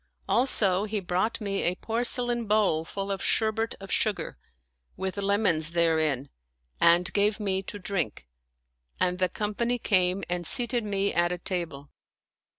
Also, he brought me a porce lain bowl full of sherbet of sugar, with lemons therein, and gave me to drink ; and the company came and seated me at a table.